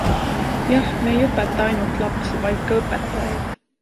Jah, me ei õpeta ainult lapsi, vaid ka õpetajaid.